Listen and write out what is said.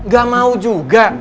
gak mau juga